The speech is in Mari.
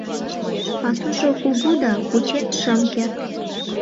Пасужо кугу да, кучен шым керт.